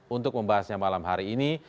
untuk membahasnya malam hari ini